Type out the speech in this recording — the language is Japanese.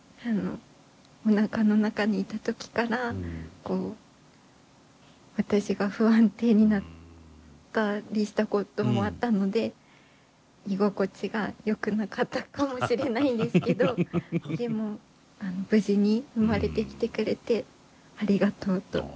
おなかの中にいた時から私が不安定になったりしたこともあったので居心地がよくなかったかもしれないんですけどでも無事に生まれてきてくれてありがとうと思いました。